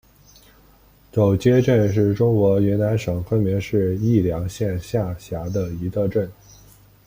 狗街镇是中国云南省昆明市宜良县下辖的一个镇。